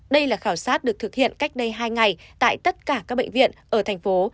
đây là khảo sát được thực hiện cách đây hai ngày tại tất cả các bệnh viện ở thành phố